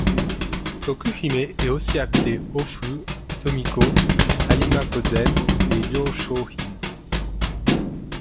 Toku-hime est aussi appelée Ofū, Tomiko, Harima-gozen et Ryōshō-in.